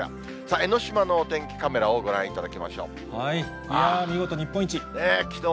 江の島のお天気カメラをご覧いただきましょう。